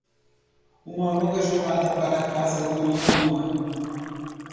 Uma longa jornada para casa durou um ano.